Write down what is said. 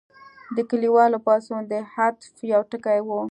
د کلیوالو پاڅون د عطف یو ټکی و.